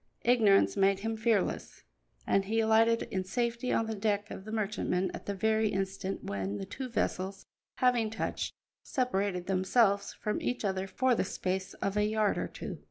Ignorance made him fearless, and he alighted in safety on the deck of the merchantman at the very instant when the two vessels, having touched, separated themselves from each other for the space of a yard or two.